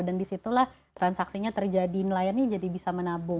dan disitulah transaksinya terjadi nelayannya jadi bisa menabung